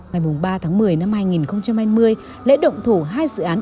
ngày ba tháng một mươi năm hai nghìn hai mươi lễ động thủ hai dự án